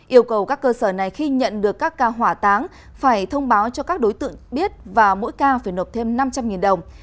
yêu cầu các cơ sở này khi nhận được các ca hỏa táng phải thông báo cho các đối tượng biết và mỗi ca phải nộp thêm năm trăm linh đồng